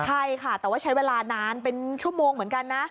ใช่ค่ะแต่ว่าใช้เวลานานเป็นชั่วโมงเหมือนกันนะ